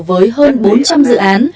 với hơn bốn trăm linh dự án